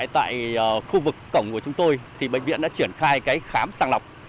tại khu vực cổng của chúng tôi thì bệnh viện đã triển khai khám sàng lọc